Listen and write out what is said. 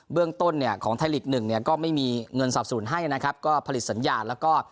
เรื่องต้นเนี่ยของไทยลีกหนึ่งเนี่ยก็ไม่มีเงินสนับสนุนให้นะครับก็ผลิตสัญญาแล้วก็